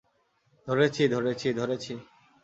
ধরেছি, ধরেছি, ধরেছি।